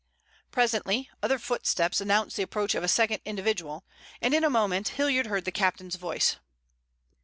Presently other footsteps announced the approach of a second individual, and in a moment Hilliard heard the captain's voice.